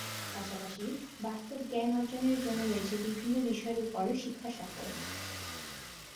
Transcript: পাশাপাশি বাস্তব জ্ঞান অর্জনের জন্য রয়েছে বিভিন্ন বিষয়ের উপর শিক্ষা সফর।